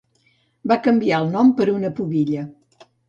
Va canviar el nom per una pubilla.